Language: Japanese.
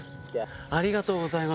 ありがとうございます。